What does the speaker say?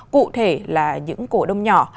cụ thể là những cổ đồng nhỏ